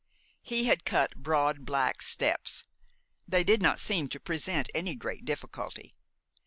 He had cut broad black steps. They did not seem to present any great difficulty.